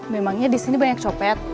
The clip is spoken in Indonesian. memangnya disini banyak copet